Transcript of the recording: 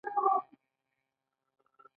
موږ یوازې په یو وخت کې ادعا کولای شو.